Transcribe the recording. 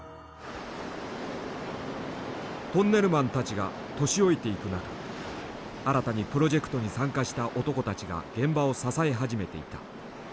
トンネルマンたちが年老いていく中新たにプロジェクトに参加した男たちが現場を支え始めていた。